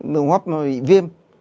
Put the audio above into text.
đường hấp nó bị viêm